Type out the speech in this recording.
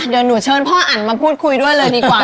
เดี๋ยวหนูเชิญพ่ออันมาพูดคุยด้วยเลยดีกว่า